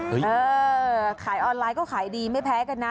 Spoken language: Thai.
เออขายออนไลน์ก็ขายดีไม่แพ้กันนะ